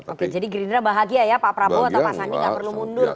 oke jadi gerindra bahagia ya pak prabowo atau pak sandi gak perlu mundur